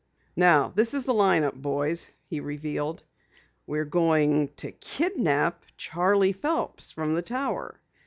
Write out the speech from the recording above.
"Now this is the line up, boys," he revealed. "We're going to kidnap Charley Phelps from the Tower.